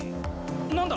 何だ！？